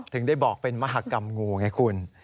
ถึงได้บอกเป็นมหากรรมงูไงคุณ